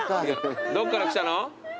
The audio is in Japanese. どこから来たの？